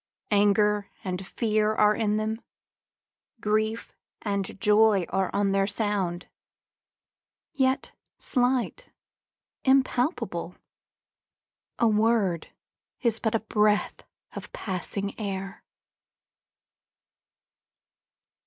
Anger and fear are in them; grief and joy Are on their sound; yet slight, impalpable: A word is but a breath of passing air.